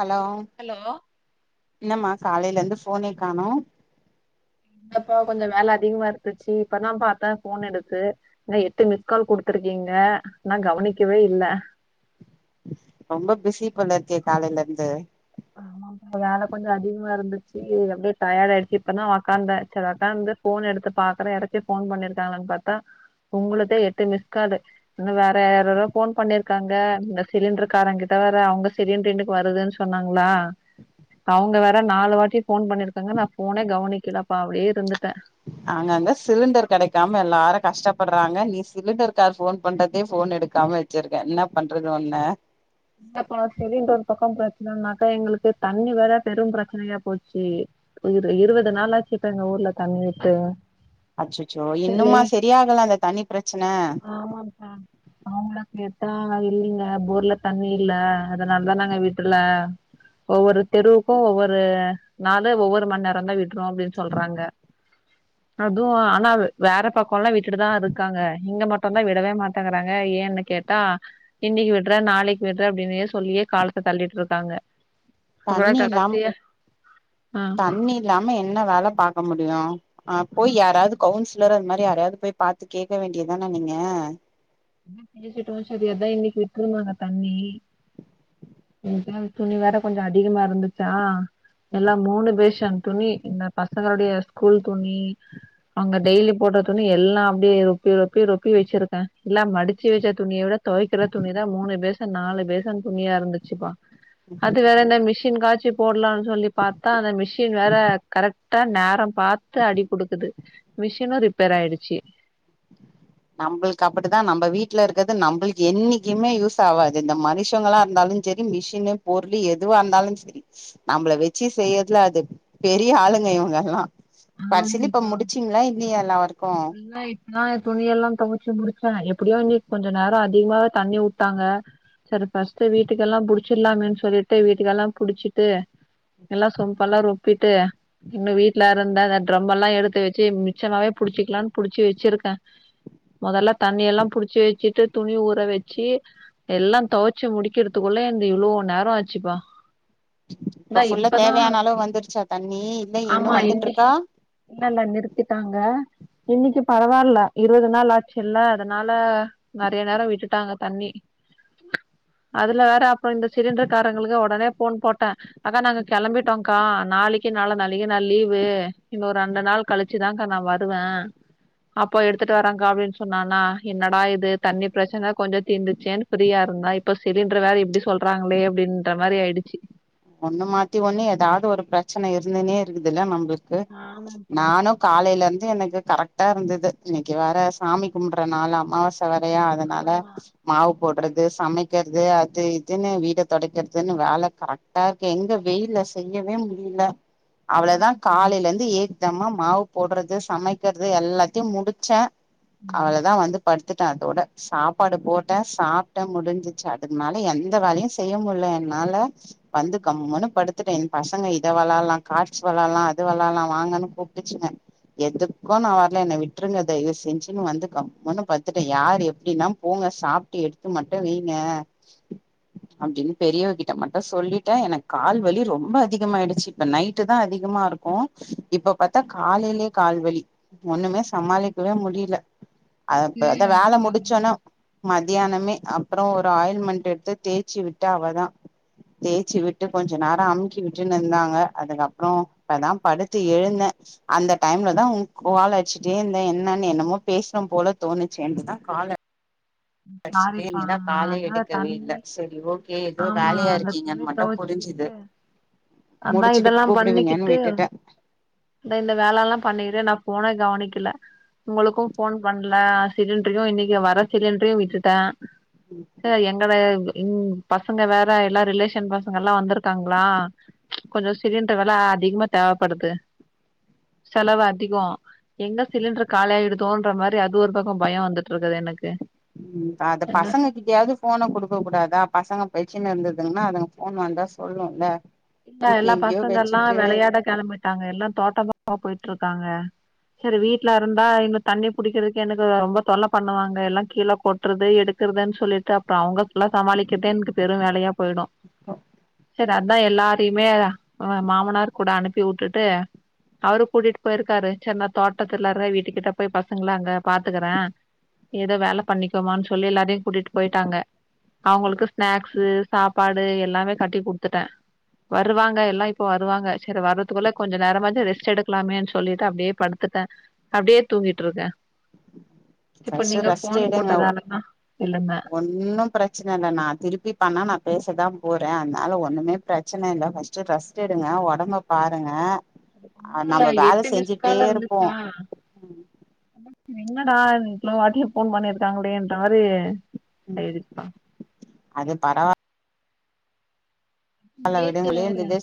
hello hello என்னம்மா காலையில இருந்து போனே காண்ணோ இல்லப்பா கொஞ்ச வேல அதிகமா இருந்துச்சு இப்பதா பாத்த போன் எடுத்து என்ன எட்டு மிஸ் கால் குடுத்துருக்கீங்க நா கவனிக்கவே இல்ல ரொம்ப பிஸி போல இருக்கே காலையில இருந்து ஆமாப்பா வேல கொஞ்ச அதிகமா இருந்துச்சி அப்டியே டயர்டா ஆயிச்சி இப்பதா உகாந்த சரி உகாந்து போன் எடுத்து பாக்குற யாராச்சு போன் பண்ணிருக்கங்கள்ளா பாத்தா உங்களது தா எட்டு மிஸ் காலு இன்னு வேற யாராரே ஃபோன் பண்ணிருக்காங்க இந்த சிலிண்ட்ரு காரங்கிட்ட வேற அவங்க சிலிண்ட இன்னிக்கி வருதுன்னு சொன்னாங்க ங்களா அவங்க வேற நாலு வாட்டி ஃபோன் பண்ணிருக்காங்க நா ஃபோனே கவனிக்கலப்பா அப்டியே இருந்துட்டே அங்கங்க சிலிண்டர் கெடைக்காம எல்லாரு கஷ்டப்படறாங்க நீ சிலிண்டர் கார் ஃபோன் பண்றதே ஃபோன் எடுக் காம வெச்சிருக்க என்ன பண்றது உன்ன இல்லப்பா சிலிண்டர் ஒரு பக்கோ பிரச்சன்னன்னாக்கா எங்களுக்கு தண்ணி வேற பெரும் பிரச்சனையா போச்சு ஒரு இருவது நாளாச்சு இப்ப எங்க ஊர்ல தண்ணி விட்டு அச்சச்சோ சரி இன்னுமா செரி ஆகல அந்த தண்ணி பிரச்சன ஆமாப்பா அவங்கள கேட்டா இல்லிங்க ஃபோர்ல தண்ணி இல்ல அதனாலதா நாங்க விடுல ஒவ்வொரு தெருவுக்கு ஒவ்வொரு நாலு ஒவ்வொரு மண் நேர தா வீட் ரோ அப்டின்னு சொல்றாங்க அது ஆனா வேற பக்கல்லா விட்டுட்டுதா இருக்காங்க இங்க மட்டு தா விடவே மாட்டேங்கறாங்க ஏன்னு கேட் டா இன்னிக்கி விட்றே நாளிக்கி விட்றே அப்டின்னே சொல்லியே காலத்த தள்ளிட்டு இருக்காங்க அப்றோ தண்ணி இல்லாம் கடைசியா ஆ தண்ணி இல்லாம என்ன வேல பாக்க முடியு போய் ஆமா யாராவது கவுன்ச லரு அந்த மாறி யாரவது போய் பாத்து கேக் வேண்டியதானா நீங்க பேசிட்டோ சேரி அதா இன்னிக்கி விட்டுருவாங்க தண்ணி நேத்து வேற துணி வேற கொஞ்ச அதிகமா இருந்துச்சா எல்லா மூணு பேஷன் துணி இந்த பசங்களுடைய ஸ்கூல் துணி அவங்க டெய்லி போட்ற துணி எல்லா அப்டியே ரொப்பி ரொப்பி ரொப்பி வெச்சிருக்க எல்லா மடிச்சு வைச்ச துணிய விட தொவைக்கிற துணி தா மூணு பேஷன் நாலு பேஷன் துணியா இருந்துச்சுப்பா அது வேற இந்த மிஷ மிஷின் காச்சி போட்லான்னு சொல்லி பாத்தா அந்த மிஷின் வேற கரெக்டா நேரம் பாத்து அடி குடுக்குது மிஷினு ரிப்பேர் ஆயிடுச்சு நம்பள்க்கு அப்டி தா நம்ம வீட்ல இருக்கறது நம்பள்க்கு என்னைக்குமே யூஸ் ஆகாது இந்த மனுஷங்களா இருந்தாலு செரி மிஷினு பொருளு எதுவா இருந்தாலு செரி நம்மள வெச்சு செய்றதுல அது பெரிய ஆளுங்க இவங்க எல்லா கடைசில இப்ப ஆமாப்பா முடிச்சீங்களா இல்லியா எல்லா ஒர்க்கு இப்பதா துணி எல்லா தொவச்சு முடிச்சே எப்டியோ இன்னிக்கி கொஞ்ச நேர அதிகமாவே தண்ணி உட்டாங்க செரி ஃபஸ்ட்டு வீட்டுக்கெல்லா புடிச்சலாமேன்னு சொல்லிட்டு வீட்டுக்கெல்லா புடிச்சிட்டு எல்லா சொப்பெலா ரொப்பிட்டு இன்னு வீட்ல இருந்த அந்த ட்ரம் எல்லா எடுத்து வெச்சு மிச்சமாவே புடிச்சிக்கலானு புடிச்சி வெச்சிருக்கே மொதல்ல தண்ணியெல்லா புடிச்சு வெச்சிட்டு துணி ஊற வெச்சு எல்லா தொவச்சு முடிக்கிறதுக்குள்ள இந்த இவ்ளோ நேர ஆச்சுப்பா இப்ப இந்தா ஃபுல்லா இப்பதா தேவையான அளவு வந்துருச்சா தண்ணி இல்ல இன்னு வந்துட்ருக்கா இல்லல்ல நிறுத்திட்டாங்க இன்னிக்கி பரவால்ல இருவது நாள் ஆச்சு இல்ல அதனால நெறைய நேரோ விட்டுட்டாங்க தண்ணி அதுல வேற அப்ப இந்த சிலிண்டர் காரங்களுக்கு ஒடனே போன் போட்ட அக்கா நாங்க கெளம்பிட்டோங்க்கா நாளிக்கி நாள நாளிக்கி நா லீவு இன்னோ ரெண்டு நாள் கழிச்சு தாங்க்கா நா வருவே அப்போ எடுத்துட்டு வர்றாங்கா அப்டின்னு சொன்னானா என்னடா இது தண்ணி பிரச்சன கொஞ்ச தீர்ந்துச்சேன்னு ஃபிரியா இருந்தா இப்ப சிலிண்டர் வேற இப்டி சொல்றாங்களே அப்டின்ற மாறி ஆயிடுச்சு ஒண்ணு மாத்தி ஒண்ணு ஏதாவுது ஒரு பிரச்சனை இருந்தனே இருக்குதுல்ல நம்மளுக்கு ஆமாப்பா நானு காலையிலருந்து எனக்கு கரெக்டா இருந்தது இன்னைக்கு வேற சாமி கும்பறனாலாமா அம்ச சவறயா அதனால ஆமா மாவு போட்றது சமைக்கிறது அது இதுன்னு வீடு துடைக்கிறதுன்னு வேல கரெக் தார்க்கே எங்க வெயில செய்யவே முடியல அவ்ளதா ஆமாப்பா காலைய இருந்து ஏ இந்தம்மா மாவு போட்றது சமைக்கிறது எல்லாத்தியு முடிச்சே அவளதா வந்து படுத்துட்டே அதோட சாப்பாடு போட்டே சாப்டே முடிஞ்சிச்சு அதுக்கு மேல எந்த வேலையு ஸ் செய்ய முல்ல என்னால வந்து கம்முனு படுத்துட்டே எ பசங்க இத விளாலா கார்ட்ஸ் வளாலா அது வளலா வாங்கன்னு கூப்டுச்சுங்க எதுக்கு நா வரல என்ன விட்டுருங்க தயவு செஞ்சுன்னு வந்து கம்ன்னு பத்துட்ட யார் எப்டின்னா போங்க சாப்டு எடுத்து மட்டு வெய்ங்க அப்டின்னு பெரியவ கிட்ட மட்டு சொல்லி ட எனக்கு கால்வலி ரொம்ப அதிகமாயிடுச்சு இப்ப நைட்டு தா அதிகமா இருக்கு இப்ப பத்தா காலைலியே கால்வலி ஒண்ணுமே சமாளிக்கவே முடில அதப்ப அந்த எனக்கு அது வேல வேற முடுச்சோனோ மதியானமே அப்புறோ ஒரு ஆயில் மண்ட் எட்த்து தேச்சு வுட்ட அவதா தேச்சு விட்டு கொஞ்ச நேர அமுக்கி விட்டுன்னுந்தாங்க அதுக்கப்புறோ இப்பதா படுத்து எழுந்த அந்த டைம்ல தா உங்க கால்லச்சுட்டே இருந்த என்னன்னு என்னமோ பேசுனு போல தோணுச்சு என்றுத கால சாரிப்பா ஆ காலே அதா எடுக்கவே இல்ல தண்ணி சரி ஓகே ஏதோ ஆமா வேலையா அந்த துனி இருக்கீங்கன்னு மட்டு தொவச்சுக்கிட்டு புரிஞ்சுது அதா முடிச்சுட்டு இதல்லா கூப்பிடுவீங்கன்னு பண்ணிக்கிட்டு விட்டுட்டே நா இந்த வேலல்லா பண்ணிக்கிட்டு நா போனே கவனிக்கல உங்களுக்கு போன் பண்ல சிலிண்டரையு இன்னைக்கி வர சிலிண்டரையு விட்டுட்ட ம் எங்கட எங்க பசங்க வேற எல்லா ரிலேஷன் பசங்கல்லா வந்திருக்காங்களா கொஞ்ச சிலிண்டர் வேல அதிகமா தேவப்படுது செலவு அதிகோ எங்க சிலிண்டர் காலி ஆயிடுதோன்ற மாரி அது ஒரு பக்க பயோ வந்துட்டு இருக்குது எனக்கு ம் அத பசங்க இப்டியாவது போன குடுக்க கூடாதா பசங்க பிரச்சின இருந்ததுங்கன்னா அதுங்க போன் வந்தா சொல்லுல்ல இல்ல தூக்கி எல்லா எங்கேயோ பசங்கல்லா வச்சுட்டு வெளையாட கெளம்பிட்டாங்க எல்லா தோட்டபக்கோ போயிட்டு இருக்காங்க செரி வீட்ல இருந்தா இன்னு தண்ணி புடிக்கிறதுக்கு எனக்கு ரொம்ப தொல்லா பண்ணுவாங்க எல்லா கீலபோட் ட்றது எடுக்றதுன்னு சொல்லிட்டு அப்புற அவங்புள்ளா சமாளிக்கதே எனக்கு பெரு வேலயா போயிடு ஆஹ சரி அதா எல்லாரையுமே மாமனார் கூட அனுப்பி வுட்டுட்டு அவரு கூட்டிட்டு போயிருக்காரு சின்னா தோட்டத்துல்லார வீட்டுக்கிட்ட போய் பசங்கள அங்க பாத்துக்கற ஏதோ வேல பண்ணிக்கோமான்னு சொல்லி எல்லாரையு கூட்டிட்டு போயிட்டாங்க அவுங்களுக்கு ஸ்நாக்சு சாப்பாடு எல்லாமே கட்டி குடுத்துட்ட வருவாங்க எல்லா இப்போ வருவாங்க சேரி வர்றதுக்குள்ள கொஞ்சோ நேரமாசு ரெஸ்ட் எடுக்கலாமேனு சொல்லிட்டு அப்டியே படுத்துட்டே அப்டியே தூங்கிட்ருக்கே இப்போ ஃபஸ்ட்டு நீங்க ரெஸ்ட் ஃபோன் எடுங்க போட்டதாலதா எழுந்தே ஒன்னு பிரச்சன இல்ல நா திருப்பி பண்ணா நா பேசதா போறே அதனால ஒண்ணுமே பிரச் ச்சன இல்ல பஸ்ட்டு ரெஸ்ட் எடுங்க ஒடம்ப பாருங்க அ முன்னல்லா நம்ம வேல எட்டு செஞ்சுட்டே மிஷ்காலா இருப்போ இருந்துச்சா என்னடா இவ்ளோ வாட்டிய போன் பண்ணிருக்காங்களேன்ற மாரி ஆயிடுச்சிக்கா அதுப் பரவா நேத்து விடுங்க வேற விழுந்தது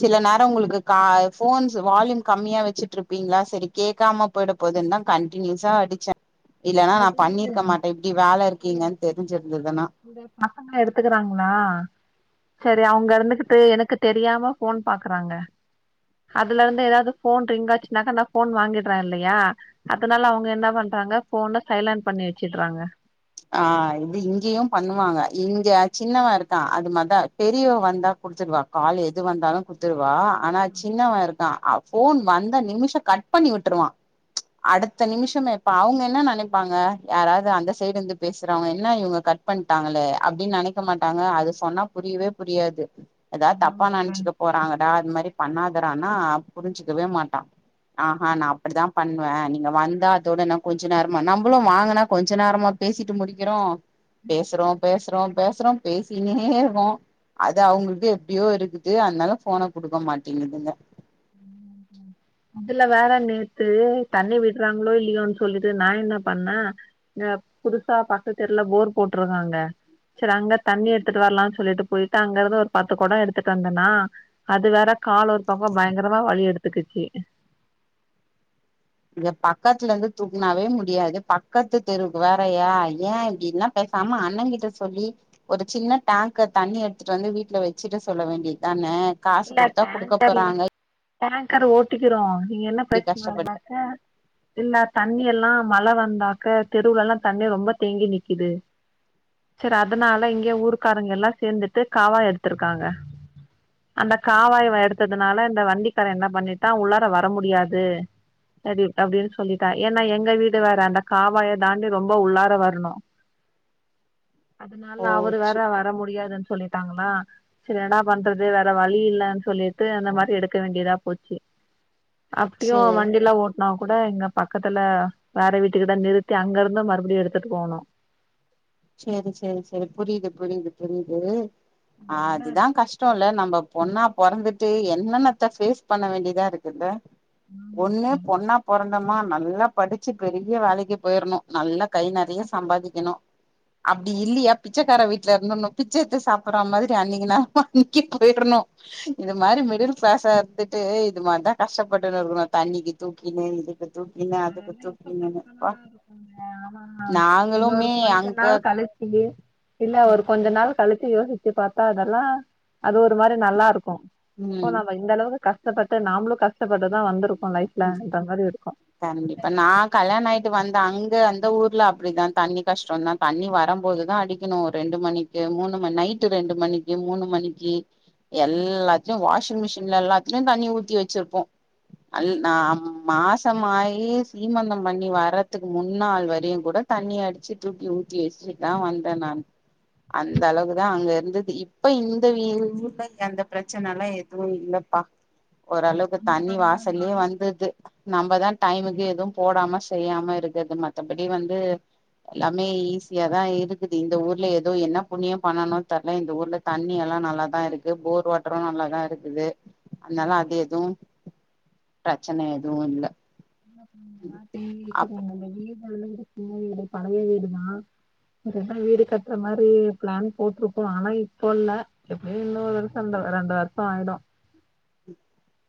சில நேரோ உங்குளுக்கு கா ஃபோன்ச் வால்யூம் கம்மியா வெச்சிட்ருப்பீங்ளா செரி கேக்காமப் போய்டப் போதுன்தா கண்ட்டினியூஸா அடிச்சே இல்லனா நா அது பண்ணிருக்க மாட்டே இப்டி வேல இருக்கீங்கன் தெரிஞ்சிருந்துதனா இந்தப் பசங்க எடுத்துகிறாங்ளா செரி அவுங்க இருந்துகிட்டு எனுக்குத் தெரியாம ஃபோன் பாக்றாங்க அதுல இருந்து எதாது ஃபோன் ரிங் ஆச்சுனாக்கா நா ஃபோன் வாங்கிட்ற இல்லையா அதனால அவுங்க என்ன பண்றாங்க ஃபோன சைலன்ட் பண்ணி வெச்சிட்றாங்க அ இது இங்கியும் பண்ணுவாங்க இங்க சின்னவே இருக்கா அது மாதா பெரியவே வந்தா குடுத்துருவா காலு எது வந்தாலு குத்துருவா ஆனாச் சின்னவே இருக் தா அவ் ஃபோன் வந்த நிமிஷ கட் பண்ணி விட்ருவா அடுத்த நிமிஷமே இப்ப அவுங்க என்ன நெனைப்பாங்க யாராது அந்த சைடு இந்துப் பேசறவுங்க என்ன இவுங்க கட் பண்ட்டாங்களே அப்டின் நெனைக்க மாட்டாங்க அது சொன்னாப் புரியவே புரியாது எதாத் தப்பா ஆமாப்பா நென்ச்சுக்கப் போறாங்கடா அத் மாரிப் பண்ணாதறான்னா புரிஞ்சுக்கவே மாட்டா ஆஹா நா அப்டிதாம் பண்வே நீங்க வந்தா அதோட நா கொஞ்சோ நேரமா நம்புளு வாங்கனா கொஞ்ச நேரமாப் பேசிட்டு முடிக்கிறோ பேசறோ பேசறோ பேசறோம் பேசிகினே இருகோ அது அவுங்குள்க்கு எப்டியோ இருக்குது அன்னால ஃபோன குடுக்க மாட்டிங்கிதுங்க ம் இதுல வேற நேத்து தண்ணி விட்றாங்ளோ இல்லியோன் சொல்லிட்டு நா என்னப் பண்ணே நப் புதுசாப் பக்கத் தெர்ல போர் போட்ருக்காங்க செரி அங்கத் தண்ணி எட்த்துட்டு வர்லான் சொல்லிட்டு போயிட்டு அங்க இருந்து ஒரு பத்து கொடோ எடுத்துட்டு வந்தனா அது வேற கால் ஒரு பக்கோ பயங்கரமா வழி எடுத்துகிச்சி இங்கப் பக்கத்லந்து துக்னாவே முடியாது பக்கத்து தெருவுக்கு வேறயா ஏ இப்டி என்னப் பேசாம அண்ணேங் கிட்ட சொல்லி ஒரு சின்ன டேங்க்கர் தண்ணி எட்த்துட்டு வந்து வீட்ல வெச்சிட சொல்ல வேண்டித்தானே காசு இல்ல குடுத்தா குடுக்க டேங்கர்ல போறாங்க டேங்கர் ஓட்டிகிறோ இங்க என்னப் இப்டி கஷ்டப்படு பிரச்சனனாக்க இல்லத் தண்ணி எல்லா மழ வந்தாக்க தெருவுலலாந் தண்ணி ரொம்பத் தேங்கி நிக்கிது சேரி அதனால இங்க ஊருக்காரங்க எல்லா சேந்துட்டு காவா எடுத்துருக்காங்க அந்த காவாய்வ எடுத்ததுனால இந்த வண்டிக்கார என்ன பண்ணிட்டா உள்ளார வர முடியாது எடிப் அப்டின் சொல்லிட்டா ஏன்னா எங்க வீடு வறாண்டக் காவாய தாண்டி ரொம்ப உள்ளார வர்ணு அதுனால ஓ அவரு வேற வர முடியாதுன் சொல்லிட்டாங்களா செரி எனடாப் பண்றது வே ற வழி இல்லன் சொல்லிட்டு அந்த மாரி எடுக்க வேண்டியதாப் போச்சி அப்டியு சேரி வண்டிலா ஓட் னாக் கூட இங்க பக்கத்துல வேற வீட்டுகுதா நிறுத்தி அங்கருந்து மறுபடியு எடுத்துட்டு போவுணு சேரி சேரி சேரி புரியிது புரியிது புரியிது அதுதாங் கஷ் டோல்ல நம்பப் பொண்ணா பொறந்துட்டு என்னென்னத்த ஃபேஸ் பண்ண வேண்டிதா இருக்குல்ல ஒன்னு பொண்ணா பொறந் தமா நல்லாப் படிச்சிப் பெரிய வேலைக்கு போயிர்ணு நல்லாக் கை நெறைய சம்பாதிக்கிணு அப்டி இல்லியாப் பிச்சக்கார வீட்ல இருந்துர்ணு பிச்ச எத்து சாப்பறா மாதிரி அன்னிக்கி நா [unintelligible] போயிர்ணு இது மாரி மிடில் கிளாஸா இருத்துட்டு இது மார்தா கஷ்டப்பட்டுனு இருக்குணு தண்ணிக்கி தூக்கினு இதுக்குத் அதெல்லா இப்ப கஷ்டமாதா இருக்குங்க ஆனா நாங்களுமே இன்னொருக் கொஞ்ச அங்க நாள் [unintelligible] இல்ல ஒரு கொஞ்ச நாள் கழிச்சி யோசிச்சிப் பாத்தா அதெல்லா அது ஒரு மாரி நல்லாருக்கு அப்போ ம் நம்ம இந்த அளவுக்கு கஷ்டப்பட்டு நாமளு கஷ்டப்பட்டுதா வந்துருக்கோ லைஃப்ல ன்ற மாரி இருக்கு கண்டிப்பா நா கல்யாணோ ஆய்ட்டு வந்த அங்க அந்த ஊர்ல அப்டிதா தண்ணி கஷ்டோ தா தண்ணி வரம்போதுதா அடிக்கணு ஒரு ரெண்டு மணிக்கு மூணு ம நைட்டு ரெண்டு மணிக்கு மூணு மணிக்கு எல்லாத்லியு வாஷின் மிஷின்ல எல்லாத்லியு தண்ணி ஊத்தி வச்சிருப்போ அல் நா மாசமாயி சீமந்தோ பண்ணி வர்ரதுக்கு முன்னாள் வரையு கூட தண்ணி அடிச்சி தூக்கி ஊத்தி வச்சிட்தா வந்தே நானு அந்த அளவுக்தா அங்க இருந்துது இப்ப இந்த வீட்ல அந்த பிரச்சனலா எதுவு இல்லப்பா ஓரளவுக்கு அங்க தண்ணி வாஸ் பரவாயில்ல, துது நம்மதா டைமுக்கு எதுவு போடாம செய்யாம இருக்குது மத்தபடி வந்து எல்லாமே ஈஸியாதா இருக்குது இந்த ஊர்ல எதோ என்ன புண்ணியோ பண்ணணோ தெர்ல இந்த ஊர்ல தண்ணி எல்லா நல்லாதா இருக்கு போர் வாட்ரு நல்லாதா இருக்குது அதுனால அது எது பிரச்சன எதுவு இல்ல [unintelligible] வீடு அப் சின்ன வீடு பழைய வீடு தா இதுகப்ரோ வீடு கட்ற மாரி பிளான் போட்ருக்கோ ஆனா இப்போ இல்ல எப்டியு இன்னு ஒரு வர்ஷோ அந்த ரெண்டு வர்ஷோ ஆயிடு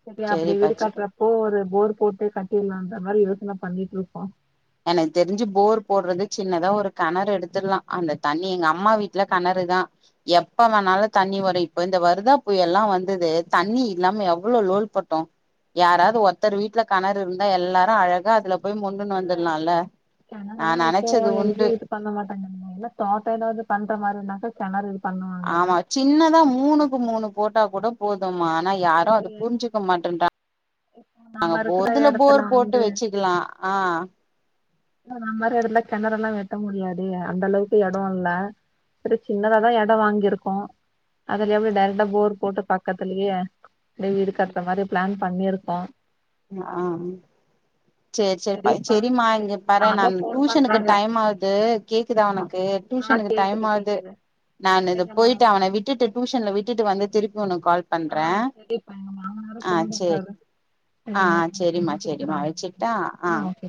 செரி அப்டி சேரிப்பா வீடு சே கட்றப்போ ஒரு போர் போட்டு கட்டிர்லான்ற மாரி யோசன பண்ணிட் இருக்கோ எனக்கு தெரிஞ்சு போர் போட்றது சின்னதா ஒரு கெணறு எடுத்துர்லா அந்த தண்ணி எங்க அம்மா வீட்ல கணறுதா எப்ப வேணாலு தண்ணி வரு இப்போ இந்த வருதா புய எல்லா வந்துது தண்ணி இல்லாம எவ்ளோ லோல் பட்டோ யாராது ஒருத்தர் வீட்டுல கணறு இருந்தா எல்லாரு அழக அதுல போய் மொன்டுன்னு வந்துடாலால கெணரெல்லா இப்போ எங்கேயு இது பண்ண மாட்டங்க அதுக்கு மொதல்ல தோட்டோ எதாவ்து வந்து பண்ற மாதிரி இருந்தாக்க கெணறு இது பண்ணுவாங்க ஆமா சின்னதா மூணுக்கு மூணு போட்டா கூட போதுமா ஆனா யாரு அத இல்ல, புரிஞ்சுக்க மாட்டேன்றாங்க நாங்க நம்ம இருக்கிற போர் அதுல இடத்துல போர் போட்டு வந்து வச்சுக்கலா அ நம் மாரி எடத்துல கெணறெல்லா வெட்ட முடியாது அந்த அளவுக்கு எடோ இல்ல ஒரு சின்னதாதா எடோ வாங்கியிருக்கோ அதுல எப்டி டேரக்டா போர் போட்டு பக்கத்துலயே வீடு கட்ற மாரி ப்ளான் பண்ணிருக்கோ ஆ சேர் சேர் சரிப்பா செரிம்மா சரி இங்க பரே நானு ஃபோன் டியூஷனுக்கு பண்றாங்க டைம் ஆகுது கேக்குதா ஆமா உனக்கு ஆ டியூஷனுக்கு டைம் கேக்குது ஆது கேக்குது நானு இதோ எங்கம்மா பொய்ட்டு அவன விட்டு டியூஷன்ல விட்டுட்டு வந்து திருப்பி உனக்கு கால் ஆ பண்றே சரிப்பா எங்க மாமனாரு ஆ போன் சேரி பண்றாரு ஆ ஆ செரிம்மா செரிம்மா வச்சுட்டா ஆ ஓகே